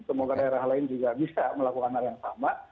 semoga daerah lain juga bisa melakukan hal yang sama